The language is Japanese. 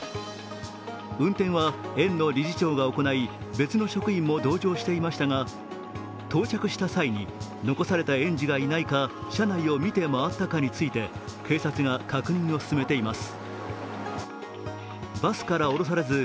運転は園の理事長が行い別の職員も同乗していましたが到着した際に残された園児がいないか、車内を見て回ったかについて警察が確認を進めています。